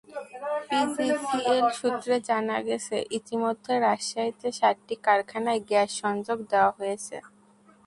PGCL সূত্রে জানা গেছে, ইতিমধ্যে রাজশাহীতে সাতটি কারখানায় গ্যাস-সংযোগ দেওয়া হয়েছে।